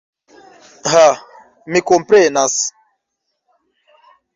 Ha, mi komprenas!